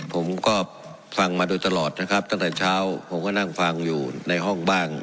ผมก็ฟังมาโดยตลอดนะครับตั้งแต่เช้าผมก็นั่งฟังอยู่ในห้องบ้าง